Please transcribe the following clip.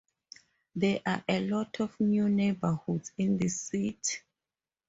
There are a lot of new neighborhoods in this city.